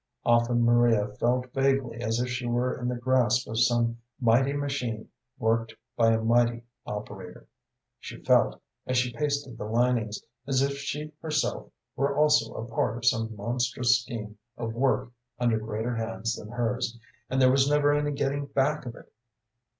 Often Maria felt vaguely as if she were in the grasp of some mighty machine worked by a mighty operator; she felt, as she pasted the linings, as if she herself were also a part of some monstrous scheme of work under greater hands than hers, and there was never any getting back of it.